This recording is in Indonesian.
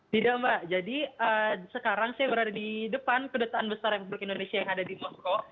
tidak mbak jadi sekarang saya berada di depan kedutaan besar republik indonesia yang ada di moskow